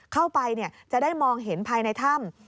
เข้าไปจะได้มองเห็นภายในถ้ำ